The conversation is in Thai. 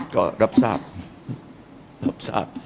ก็รับทราบรับทราบ